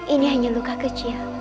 ini hanya luka kecil